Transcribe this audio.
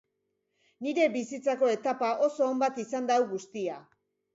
Nire bizitzako etapa oso on bat izan da hau guztia.